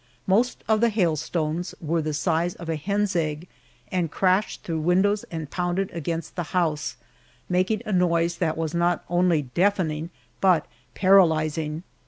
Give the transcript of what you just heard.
Most of the hailstones were the size of a hen's egg, and crashed through windows and pounded against the house, making a noise that was not only deafening but paralyzing.